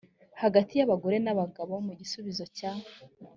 hagati y abagore n abagabo mu gisubizo cya